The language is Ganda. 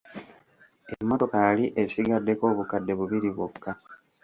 Emmotoka yali esigaddeko obukadde bubiri bwokka.